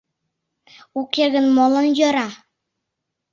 Уке гын молан йӧра?